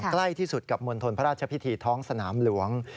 ใกล้ที่สุดกับมณฑลพระราชพิธีท้องสนามหลวง